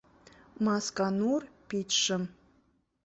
— Масканур пичшым.